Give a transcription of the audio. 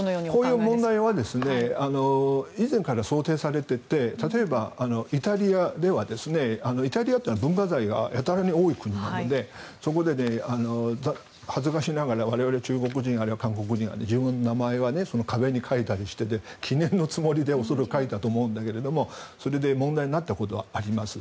こういう問題は以前から想定されていて例えばイタリアではイタリアというのは文化財がやたらに多い国なのでそこで恥ずかしながら我々中国人、あるいは韓国人は自分の名前を壁に書いたりして記念のつもりでそれを書いたと思うんだけどそれで問題になったことがあります。